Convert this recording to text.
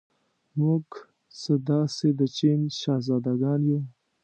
موږ څه داسې د چین شهزادګان یو.